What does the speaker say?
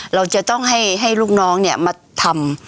เราจะต้องให้ลูกน้องมาทำ